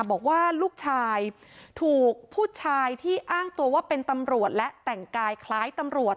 บอกว่าลูกชายถูกผู้ชายที่อ้างตัวว่าเป็นตำรวจและแต่งกายคล้ายตำรวจ